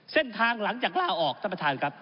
เส้นทางหลังจากล่าออกท่านประธานครับ